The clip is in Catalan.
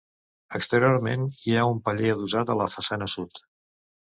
Exteriorment hi ha un paller adossat a la façana sud.